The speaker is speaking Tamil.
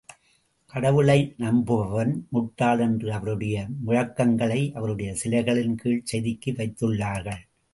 கடவுளை நம்புபவன் முட்டாள் என்ற அவருடைய முழக்கங்களை, அவருடைய சிலைகளின் கீழ் செதுக்கி வைத்துள்ளார்கள்.